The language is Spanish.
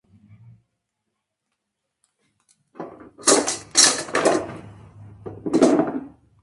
Las ideologías políticas vinculadas son el antiimperialismo y el pacifismo.